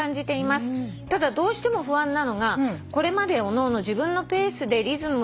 「ただどうしても不安なのがこれまでおのおの自分のペースで」